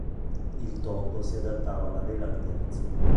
Il topo si adattava alla vela al terzo.